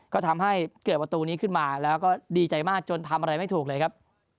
ก็ทำให้เกิดประตูนี้ขึ้นมาแล้วก็ดีใจมากจนทำอะไรไม่ถูกเลยครับ